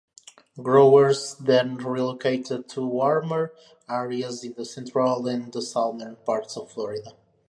Growers then relocated to warmer areas in the central and southern parts of Florida.